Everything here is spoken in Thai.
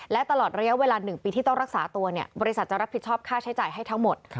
และตลอดระยะเวลา๑ปีที่ต้องรักษาตัวบริษัทจะรับผิดชอบค่าใช้จ่ายให้ทั้งหมด